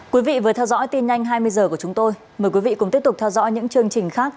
quý vị vừa theo dõi tin nhanh hai mươi giờ của chúng tôi mời quý vị cùng tiếp tục theo dõi những chương trình khác trên intv